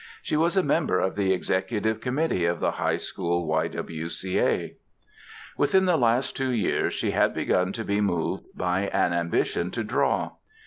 She was a member of the executive committee of the High School Y. W. C. A. Within the last two years she had begun to be moved by an ambition to draw.